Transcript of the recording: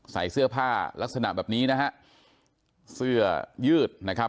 ใส่เสื้อผ้าลักษณะแบบนี้นะฮะเสื้อยืดนะครับ